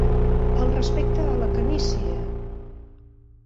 El respecte a la canície.